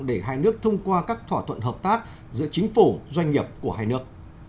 để hai nước thông qua các thỏa thuận hợp tác giữa chính phủ doanh nghiệp của hai nước